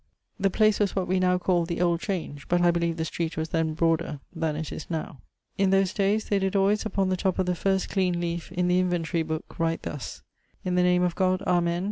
The place was what we now call the old Change; but I believe the street was then broader than it is now. In those dayes they did alwaies upon the top of the first clean leafe in the inventorie booke write thus: 'In the name of God, Amen.